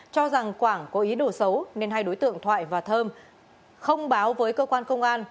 cho rằng quảng có ý đồ xấu nên hai đối tượng thoại và thơm không báo với cơ quan công an